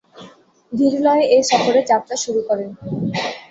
ধীরলয়ে এ সফরে যাত্রা শুরু করেন।